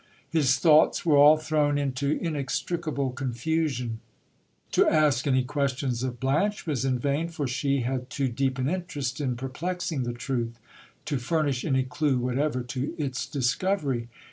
His thoughts were all thrown into inextricable confusion. To ask any questions of Blanche was in vain : for she had too deep an interest in perplexing the truth, to furnish any clue whatever to its discovery.